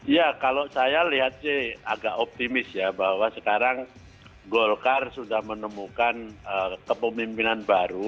ya kalau saya lihat sih agak optimis ya bahwa sekarang golkar sudah menemukan kepemimpinan baru